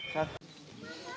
alhamdulillah masih bisa berjalan